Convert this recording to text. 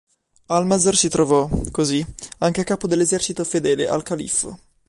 Almanzor si trovò, così, anche a capo dell'esercito fedele al califfo.